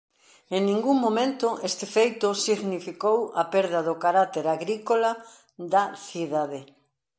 En ningún momento este feito significou a perda do carácter agrícola da cidade.